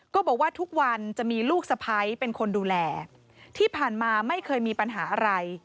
ก็บอกว่าทุกวันจะมีลูกสะพ้ายเป็นคนดูแลที่ผ่านมาไม่เคยมีปัญหาอะไร